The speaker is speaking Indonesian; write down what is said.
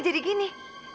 ya dia tahu benar